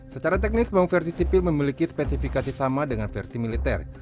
secara teknis bank versi sipil memiliki spesifikasi sama dengan versi militer